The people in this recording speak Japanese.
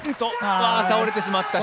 倒れてしまった。